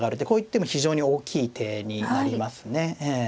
こういう手も非常に大きい手になりますね。